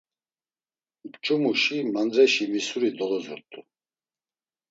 Mç̌umuşi mandreşi misuri dolozurt̆u.